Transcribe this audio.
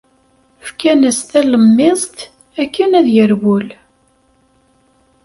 Fkan-as talemmiẓt akken ad yerwel.